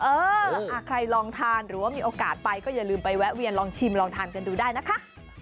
เออใครลองทานหรือว่ามีโอกาสไปก็อย่าลืมไปแวะเวียนลองชิมลองทานกันดูได้นะคะ